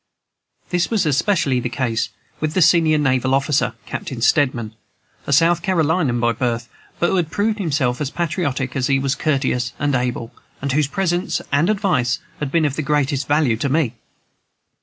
This was especially the case with the senior naval officer, Captain Steedman, a South Carolinian by birth, but who had proved himself as patriotic as he was courteous and able, and whose presence and advice had been of the greatest value to me.